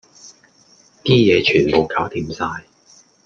啲嘢全部攪掂晒